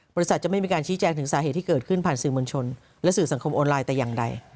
จะไม่มีการชี้แจงถึงสาเหตุที่เกิดขึ้นผ่านสื่อมวลชนและสื่อสังคมออนไลน์แต่อย่างใด